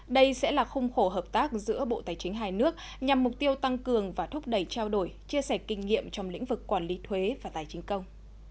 đây sẽ là khung khổ hợp tác giữa bộ tài chính hai nước nhằm mục tiêu tăng cường và thúc đẩy trao đổi chia sẻ kinh nghiệm trong lĩnh vực quản lý thuế và tài chính công